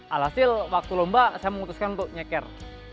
alhasil waktu lomba saya memutuskan untuk nyeker